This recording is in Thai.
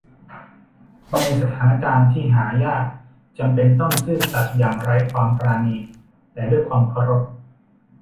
ในสถานการณ์ที่หายากจำเป็นต้องซื่อสัตย์อย่างไร้ความปราณี แต่ด้วยความเคารพ